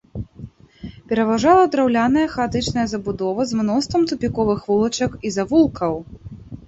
Пераважала драўляная хаатычная забудова з мноствам тупіковых вулачак і завулкаў.